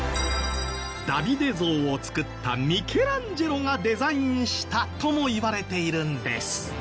『ダビデ像』を作ったミケランジェロがデザインしたともいわれているんです。